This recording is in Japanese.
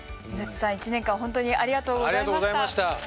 イノッチさん一年間本当にありがとうございました。